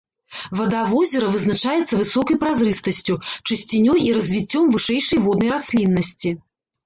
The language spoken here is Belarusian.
Вада возера вызначаецца высокай празрыстасцю, чысцінёй і развіццём вышэйшай воднай расліннасці.